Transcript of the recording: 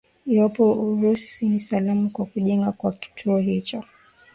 iwapo urusi ni salamu kwa kujengwa kwa kituo hicho